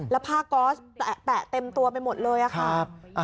แล้วผ้าก๊อสแปะเต็มตัวไปหมดเลยค่ะ